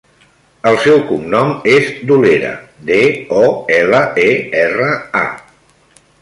El seu cognom és Dolera: de, o, ela, e, erra, a.